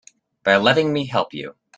By letting me help you.